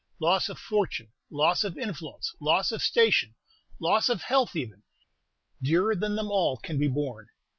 Loss of fortune, loss of influence, loss of station, loss of health even, dearer than them all, can be borne.